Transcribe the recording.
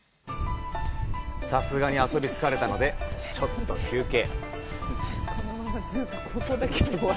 さすがに遊び疲れたので、ちょっと休憩。